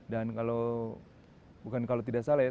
dan kalau bukan kalau tidak salah ya